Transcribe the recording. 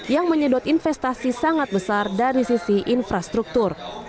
yang menyedot investasi sangat besar dari sisi infrastruktur